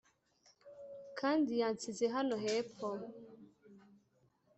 kandi yansize hano hepfo: